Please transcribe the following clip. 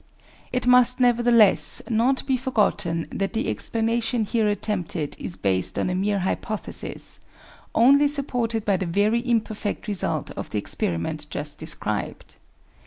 It must, nevertheless, not be forgotten that the explanation here attempted is based on a mere hypothesis, only supported by the very imperfect result of the experiment just described.